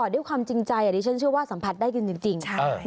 ด้วยความจริงใจอันนี้ฉันเชื่อว่าสัมผัสได้จริง